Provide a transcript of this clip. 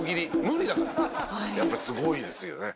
やっぱすごいですよね。